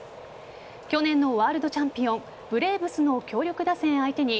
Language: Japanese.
去年のワールドチャンピオンブレーブスの強力打線相手に